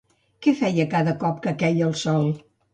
Què feia cada cop que queia el sol?